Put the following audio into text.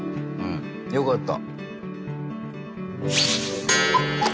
よかった。